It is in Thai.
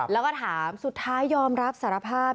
แล้วก็ถามสุดท้ายยอมรับสารภาพ